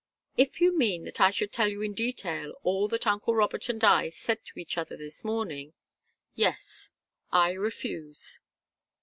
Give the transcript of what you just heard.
"If you mean that I should tell you in detail all that uncle Robert and I said to each other this morning, yes. I refuse."